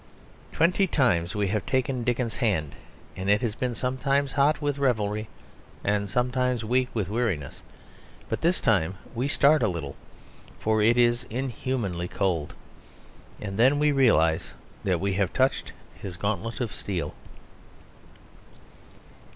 Twenty times we have taken Dickens's hand and it has been sometimes hot with revelry and sometimes weak with weariness; but this time we start a little, for it is inhumanly cold; and then we realise that we have touched his gauntlet of steel.